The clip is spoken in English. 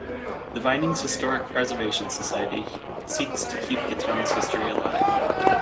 The Vinings Historic Preservation Society seeks to keep the town's history alive.